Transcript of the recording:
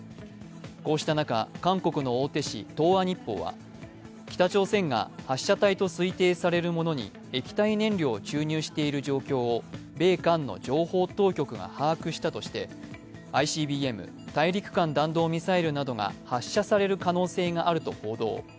こうした中、韓国の大手紙「東亜日報」は北朝鮮が発射体と推定されるものに液体燃料を注入している状況を米韓の情報当局が把握したとしてＩＣＢＭ＝大陸間弾道ミサイルなどが発射される可能性があると報道。